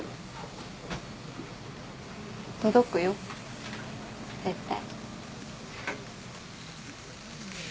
届くよ絶対。